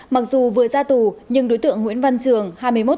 mặc dù vừa ra tù nhưng đối tượng nguyễn văn trường hai mươi một tuổi